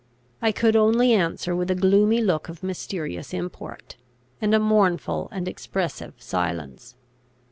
I could only answer with a gloomy look of mysterious import, and a mournful and expressive silence.